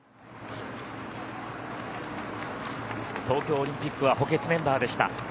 東京オリンピックは補欠メンバーでした。